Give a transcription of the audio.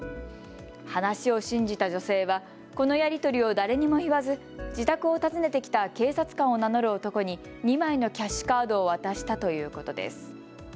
話を信じた女性はこのやり取りを誰にも言わず、自宅を訪ねてきた警察官を名乗る男に２枚のキャッシュカードを渡したということです。